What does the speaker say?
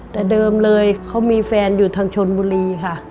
แต่เดิมเลยเขามีแฟนอยู่ทางชนบุรีค่ะ